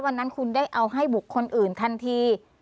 วันนั้นคุณได้เอาให้บุคคลอื่นทันที